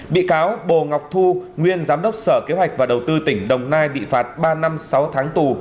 bị cáo bồ ngọc thu nguyên giám đốc sở kế hoạch và đầu tư tỉnh đồng nai bị phạt ba năm sáu tháng tù